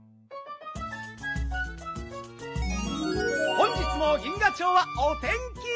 本日も銀河町はお天気！